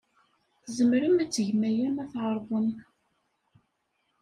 Tzemrem ad tgem aya ma tɛerḍem.